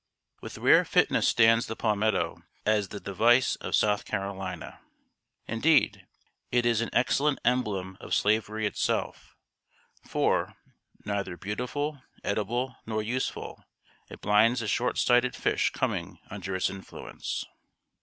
With rare fitness stands the palmetto as the device of South Carolina. Indeed, it is an excellent emblem of Slavery itself; for, neither beautiful, edible, nor useful, it blinds the short sighted fish coming under its influence.